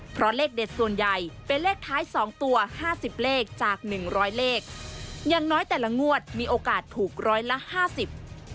เพราะเลขเด็ดส่วนใหญ่เป็นเลขท้ายสองตัวห้าสิบเลขจากหนึ่งร้อยเลขอย่างน้อยแต่ละงวดมีโอกาสถูกร้อยละห้าสิบ